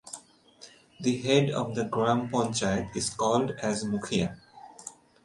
The head of the Gram Panchayat is called as Mukhiya.